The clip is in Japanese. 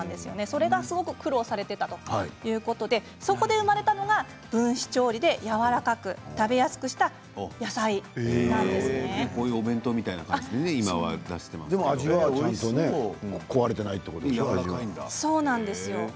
それが、すごく苦労されていたということでそこで生まれたのが分子調理でやわらかく食べやすくしたこういうお弁当みたいな感じで出しているんですね。